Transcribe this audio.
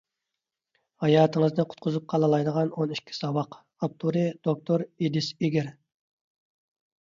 «ھاياتىڭىزنى قۇتقۇزۇپ قالالايدىغان ئون ئىككى ساۋاق»، ئاپتورى: دوكتور ئېدىس ئېگىر.